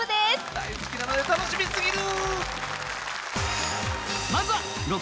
大好きなので楽しみすぎる